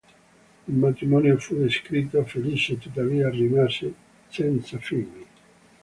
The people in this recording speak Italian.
Il matrimonio fu descritto felice tuttavia rimase senza figli.